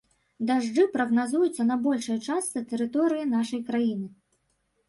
Дажджы прагназуюцца на большай частцы тэрыторыі нашай краіны.